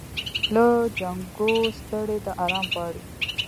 له جنګو ستړې ده آرام غواړي